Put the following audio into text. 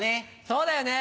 そうだよね。